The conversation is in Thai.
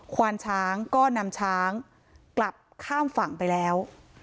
ควานช้างก็นำช้างกลับข้ามฝั่งไปแล้ว